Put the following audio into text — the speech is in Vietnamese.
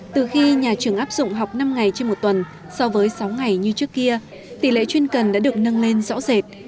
từ khi nhà trường áp dụng học năm ngày trên một tuần so với sáu ngày như trước kia tỷ lệ chuyên cần đã được nâng lên rõ rệt